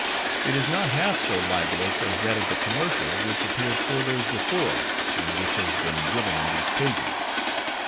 It is not half so libelous as that of the Commercial which appeared four days before, and which has been given in these pages.